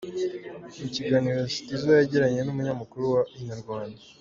Mu kiganiro Styzo yagiranye n’umunyamakuru wa Inyarwanda.